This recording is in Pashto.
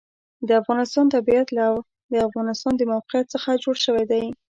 د افغانستان طبیعت له د افغانستان د موقعیت څخه جوړ شوی دی.